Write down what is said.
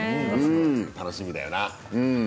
楽しみだよな。